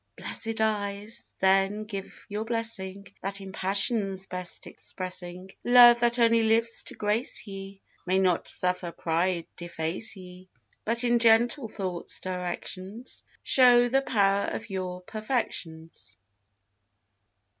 Blessed eyes, then give your blessing, That in passion's best expressing; Love that only lives to grace ye, May not suffer pride deface ye; But in gentle thought's directions Show the power of your perfections.